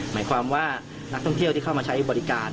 หมายความว่านักท่องเที่ยวที่เข้ามาใช้บริการ